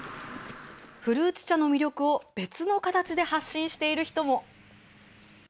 古内茶の魅力を別の形で発信している人も。